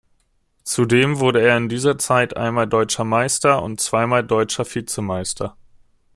Zudem wurde er in dieser Zeit einmal deutscher Meister und zweimal deutscher Vizemeister.